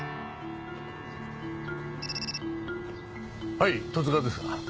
はい十津川ですが。